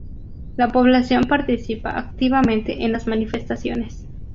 La población participa activamente en las manifestaciones.